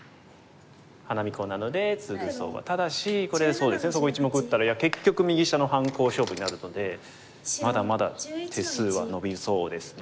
そうですねそこ１目打ったら結局右下の半コウ勝負になるのでまだまだ手数はのびそうですね。